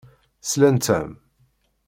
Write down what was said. Slant-am.